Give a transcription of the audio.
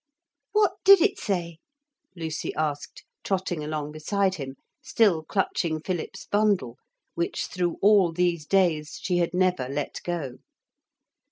'What did it say?' Lucy asked, trotting along beside him, still clutching Philip's bundle, which through all these days she had never let go.